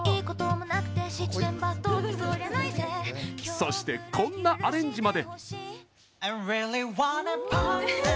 そして、こんなアレンジまで。